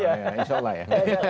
ya insya allah ya